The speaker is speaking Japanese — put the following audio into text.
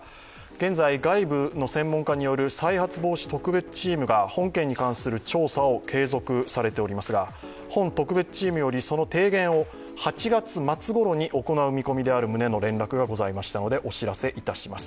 現在、外部の専門家による再発防止特別チームが本件に関する調査を継続されておりますが、本特別チームよりその提言を８月末ごろに行う見込みである旨の連絡がありましたので、お知らせさせていただきます。